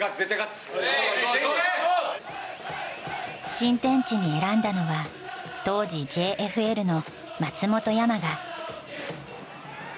新天地に選んだのは、当時ＪＦＬの松本山雅。